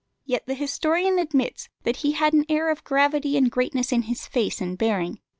Yet the historian admits that he had an air of gravity and greatness in his face and bearing.